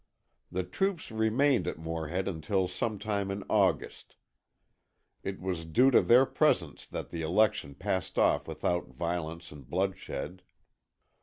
The troops remained at Morehead until some time in August. It was due to their presence that the election passed off without violence and bloodshed.